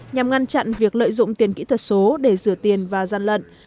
nhằm ngăn chặn việc lợi dụng tiền kỹ thuật số để rửa tiền và gian lận